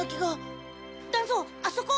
団蔵あそこ！